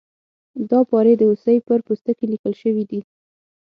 دا پارې د هوسۍ پر پوستکي لیکل شوي دي.